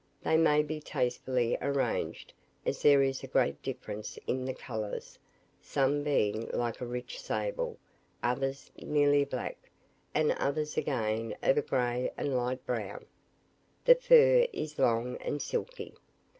They may be tastefully arranged, as there is a great difference in the colours; some being like a rich sable, others nearly black, and others again of a grey and light brown. The fur is long and silky.